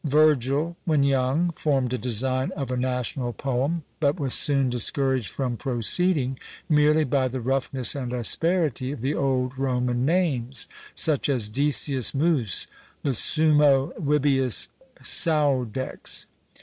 Virgil, when young, formed a design of a national poem, but was soon discouraged from proceeding, merely by the roughness and asperity of the old Roman names, such as Decius Mus; Lucumo; Vibius Caudex.